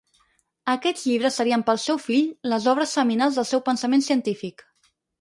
Aquests llibres serien pel seu fill les obres seminals del seu pensament científic.